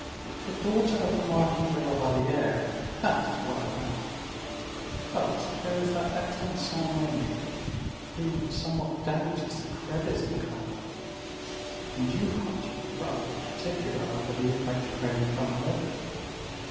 "the daughter of the Marquis de la Valliere, that is well enough; but there is that excellent Saint Remy, who somewhat damages the credit of the family; and you, comte, are rather particular, I believe, about your own family."